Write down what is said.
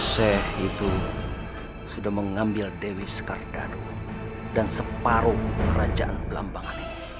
syekh itu sudah mengambil dewi sekardado dan separuh kerajaan pelambangan ini